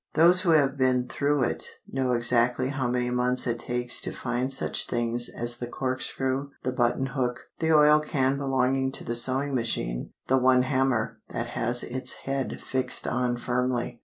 Those who have been through it know exactly how many months it takes to find such things as the corkscrew, the buttonhook, the oil can belonging to the sewing machine, the one hammer that has its head fixed on firmly.